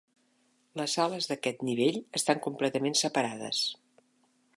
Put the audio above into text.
Les ales d'aquest nivell estan completament separades.